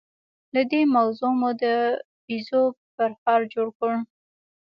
له دې موضوع مو د بيزو پرهار جوړ کړ.